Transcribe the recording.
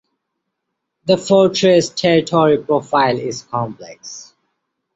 The fortress’ territory profile is complex.